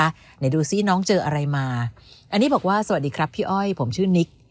ไหนดูสิน้องเจออะไรมาอันนี้บอกว่าสวัสดีครับพี่อ้อยผมชื่อนิก